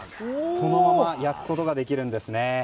そのまま焼くことができるんですね。